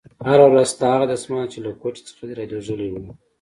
هره ورځ ستا هغه دسمال چې له کوټې څخه دې رالېږلى و.